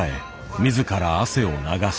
自ら汗を流す。